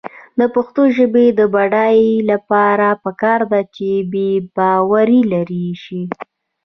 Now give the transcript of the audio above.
د پښتو ژبې د بډاینې لپاره پکار ده چې بېباوري لرې شي.